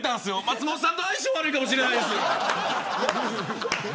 松本さんと相性悪いかもしれないです。